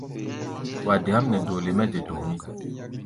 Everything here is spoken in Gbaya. Wa deáʼm nɛ doole mɛ de tomʼí.